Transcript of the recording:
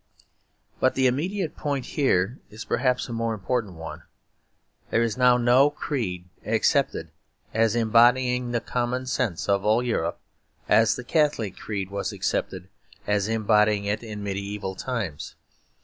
But the immediate point here is perhaps a more important one. There is now no creed accepted as embodying the common sense of all Europe, as the Catholic creed was accepted as embodying it in mediaeval times.